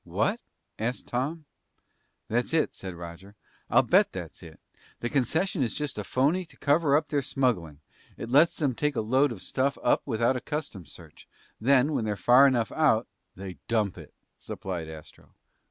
"What?" asked Tom. "That's it," said Roger. "I'll bet that's it. The concession is just a phony to cover up their smuggling. It lets them take a load of stuff up without a custom's search. Then, when they're far enough out " "They dump it," supplied Astro.